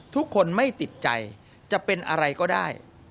ทุกคนไม่ติดใจจะเป็นอะไรก็ได้